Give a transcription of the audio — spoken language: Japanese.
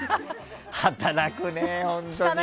働くね、本当に。